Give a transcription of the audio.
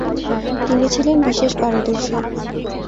তিনি ছিলেন বিশেষ পারদর্শী।